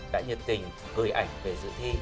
đã nhiệt tình gửi ảnh về dự thi